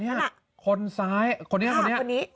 นี่คนซ้ายคนนี้